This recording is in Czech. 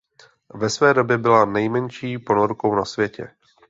Ve své době byla nejmenší ponorkou na světě.